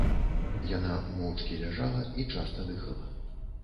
Яна моўчкі ляжала і часта дыхала.